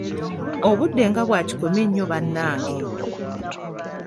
Obudde nga bwa kikome nnyo bannange!